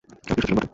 আকৃষ্ট ছিলাম বটে।